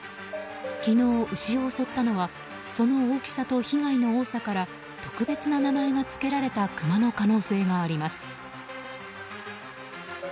昨日、牛を襲ったのはその大きさと被害の多さから特別な名前が付けられたクマの可能性があります。